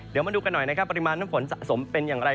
เดี๋ยวมาดูกันหน่อยนะครับปริมาณน้ำฝนสะสมเป็นอย่างไร